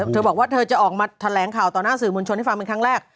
เธอบอกว่าเธอจะออกมาแถลงข่าวต่อหน้าสื่อมวลชนให้ฟังเป็นครั้งแรก